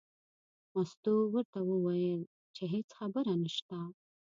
مستو ورته وویل چې هېڅ خبره نشته.